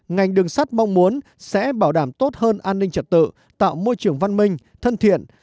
ngành đường sắt mong muốn sẽ bảo đảm tốt hơn an ninh trật tự tạo môi trường văn minh thân thiện